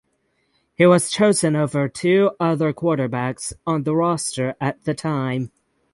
He was chosen over two other quarterbacks on the roster at the time.